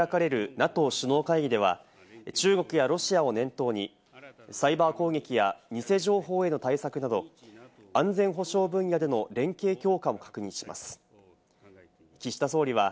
リトアニアで開かれるＮＡＴＯ首脳会議では中国やロシアを念頭にサイバー攻撃や偽情報への対策など安全保障分野での連携強化を確認します。